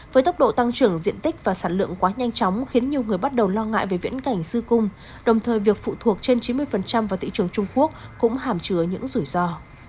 với tốc độ tăng trưởng diện tích và sản lượng quá nhanh chóng khiến nhiều người bắt đầu lo ngại về viễn cảnh sư cung đồng thời việc phụ thuộc trên chín mươi vào thị trường trung quốc cũng hàm chứa những rủi ro